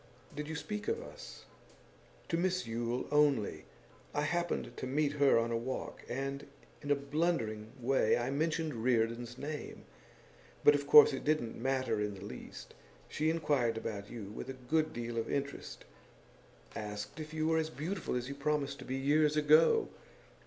'Did you speak of us?' 'To Miss Yule only. I happened to meet her on a walk, and in a blundering way I mentioned Reardon's name. But of course it didn't matter in the least. She inquired about you with a good deal of interest asked if you were as beautiful as you promised to be years ago.